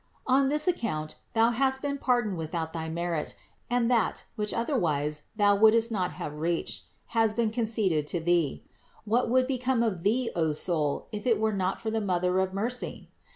On this account thou hast been pardoned without thy merit, and that, which otherwise thou wouldst not have reached, has been conceded to thee. What would become of thee, O soul, if it were not for the Mother of mercy?